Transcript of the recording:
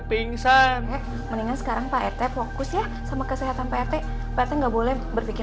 pingsan mendingan sekarang pak rt fokus ya sama kesehatan pak rt pt nggak boleh berpikir